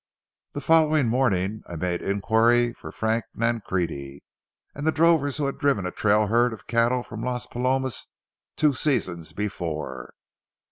The following morning I made inquiry for Frank Nancrede and the drovers who had driven a trail herd of cattle from Las Palomas two seasons before.